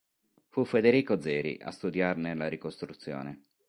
Fu Federico Zeri a studiarne la ricostruzione.